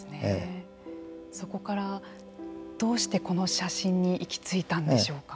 そこから、どうしてこの写真に行き着いたんでしょうか。